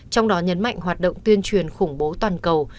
trong đó nhấn mạnh hoạt động tuyên truyền khủng bố toàn cầu